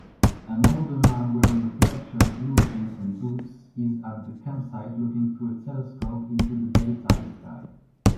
An older man wearing a plaid shirt blue jeans and boots is at a campsite looking through a telescope into the daytime sky